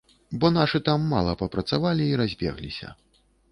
Бо нашы там мала папрацавалі і разбегліся.